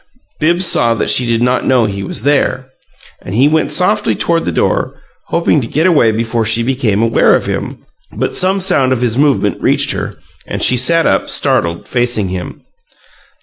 Bibbs saw that she did not know he was there, and he went softly toward the door, hoping to get away before she became aware of him; but some sound of his movement reached her, and she sat up, startled, facing him.